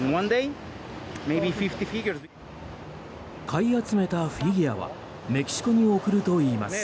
買い集めたフィギュアはメキシコに送るといいます。